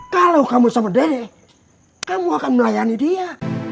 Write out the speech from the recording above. kalau kamu sama dede kamu akan melayani dia